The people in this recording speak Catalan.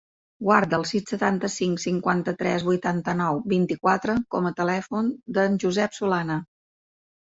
Guarda el sis, setanta-cinc, cinquanta-tres, vuitanta-nou, vint-i-quatre com a telèfon del Josep Solana.